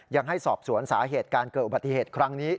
ยังให้สอบสวนสาเหตุการเกิดอุบัติเหตุครั้งนี้